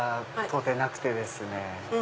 当店なくてですね。